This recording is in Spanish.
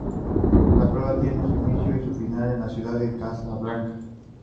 La prueba tiene su inicio y su final en la ciudad de Casablanca.